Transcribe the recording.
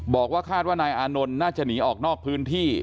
บอกว่าคาดว่านายอานนท์น่าจะหนีออกนอกพื้นที่